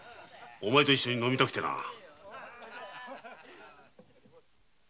お前と一緒に飲みたくてな。